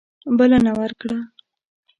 بلنه ورکړه.